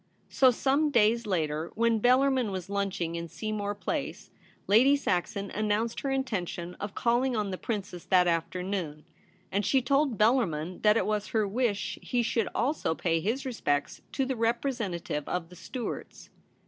So some days later, when Bellarmin was lunching in Seamore Place, Lady Saxon announced her intention of calling on ' the Princess ' that afternoon ; and she told Bellar min that it was her wish he should also pay his respects to the representative of the Stuarts.